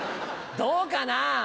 どうかな。